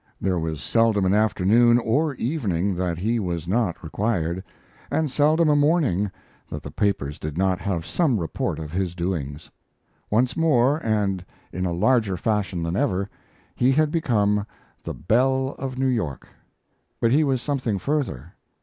There was seldom an afternoon or an evening that he was not required, and seldom a morning that the papers did not have some report of his doings. Once more, and in a larger fashion than ever, he had become "the belle of New York." But he was something further.